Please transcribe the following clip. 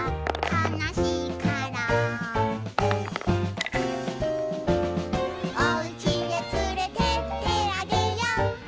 「かなしいから」「おうちへつれてってあげよ」